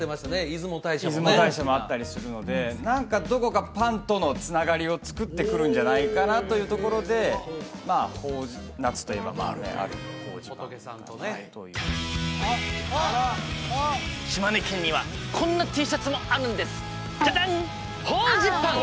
出雲大社も出雲大社もあったりするので何かどこかパンとのつながりを作ってくるんじゃないかなというところでまあ法事夏といえば仏さんとね島根県にはこんなＴシャツもあるんですジャジャン！